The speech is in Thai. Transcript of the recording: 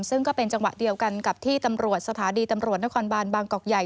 ซึ่งก็เป็นจังหวะเดียวกันกับที่ตำรวจสถานีตำรวจนครบานบางกอกใหญ่